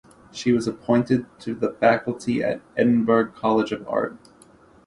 She was appointed to the faculty at the Edinburgh College of Art.